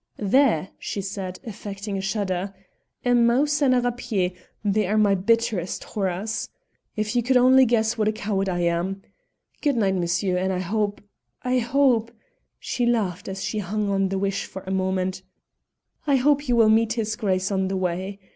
"There!" she said, affecting a shudder. "A mouse and a rapier, they are my bitterest horrors. If you could only guess what a coward I am! Good night, monsieur, and I hope I hope" she laughed as she hung on the wish a moment "I hope you will meet his Grace on the way.